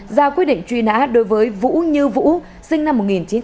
ra quyết định truy nã đối với vũ như vũ sinh năm một nghìn chín trăm tám mươi